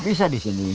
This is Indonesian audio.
bisa di sini